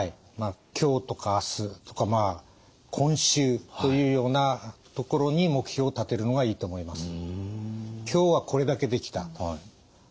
今日とか明日とかまあ今週というようなところに目標を立てるのがいいと思います。